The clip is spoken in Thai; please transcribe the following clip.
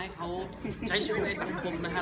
ให้เขาใช้ชีวิตในสังคมนะครับ